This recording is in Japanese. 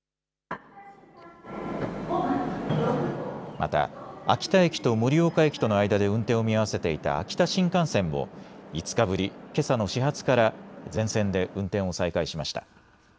また秋田駅と盛岡駅との間で運転を見合わせていた秋田新幹線も５日ぶり、けさの始発から全線で運転を再開しました。